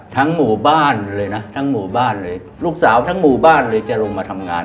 ทั้งหมู่บ้านเลยนะลูกสาวทั้งหมู่บ้านเลยจะลงมาทำงาน